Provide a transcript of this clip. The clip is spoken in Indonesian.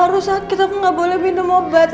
aku harus sakit aku gak boleh minum obat